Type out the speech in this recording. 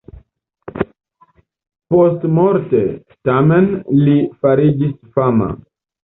Postmorte, tamen, li fariĝis fama.